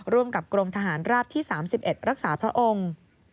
ร่วมกับกรมทหารราบที่๓๑รักษาพระองค์